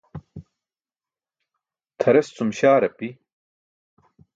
Tʰares cum śaar api.